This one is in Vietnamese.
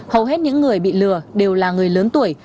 hầu hết những người bị lừa đều là người lớn tuổi